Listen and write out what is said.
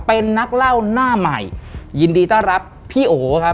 เป็นนักเล่าหน้าใหม่ยินดีต้อนรับพี่โอครับ